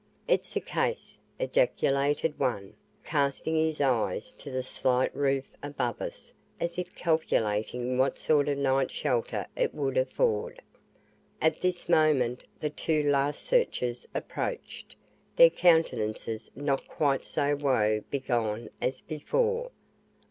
"It's a case," ejaculated one, casting his eyes to the slight roof above us as if calculating what sort of night shelter it would afford. At this moment the two last searchers approached, their countenances not quite so woe begone as before.